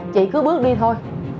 chị cứ bước đi thôi